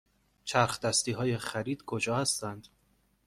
چرخ دستی های خرید کجا هستند؟